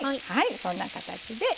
こんな形で。